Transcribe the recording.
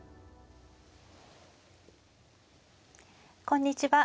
こんにちは。